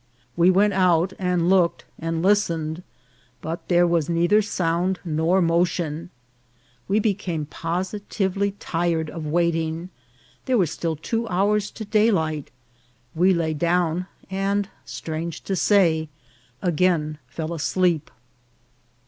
We went out, and looked, and listened ; but there was neither sound nor motion. We became positively tired of waiting ; there were still two hours to daylight ; we lay down, and, strange to say, again fell asleep.